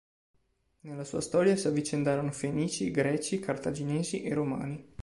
Nella sua storia si avvicendarono Fenici, Greci, Cartaginesi e Romani.